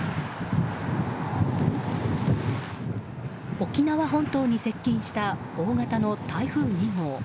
沖縄本島に接近した大型の台風２号。